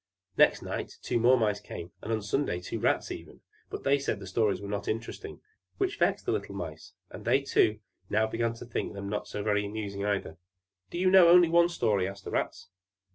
Next night two more Mice came, and on Sunday two Rats even; but they said the stories were not interesting, which vexed the little Mice; and they, too, now began to think them not so very amusing either. "Do you know only one story?" asked the Rats.